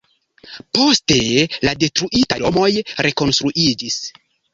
Poste la detruitaj domoj rekonstruiĝis.